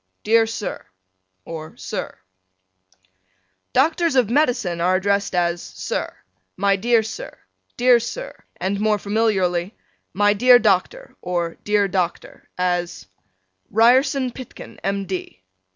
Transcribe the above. Dear Sir: or Sir: Doctors of Medicine are addressed as Sir: My dear Sir: Dear Sir: and more familiarly My dear Dr: or Dear Dr: as Ryerson Pitkin, M. D.